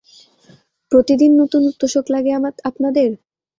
প্রতিদিন নতুন তোষক লাগে আপনাদের!